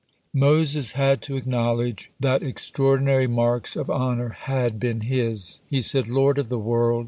Moses had to acknowledge that extraordinary marks of honor had been his. He said: "Lord of the world!